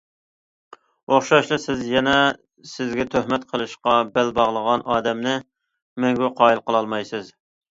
ئوخشاشلا، سىز يەنە سىزگە تۆھمەت قىلىشقا بەل باغلىغان ئادەمنى مەڭگۈ قايىل قىلالمايسىز.